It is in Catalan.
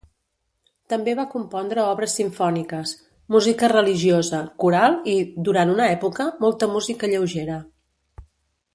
També va compondre obres simfòniques, música religiosa, coral i, durant una època, molta música lleugera.